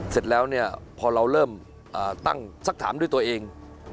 เสร็จแล้วเนี่ยพอเราเริ่มตั้งสักถามด้วยตัวเอง